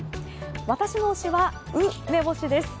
私の推しは梅干しです。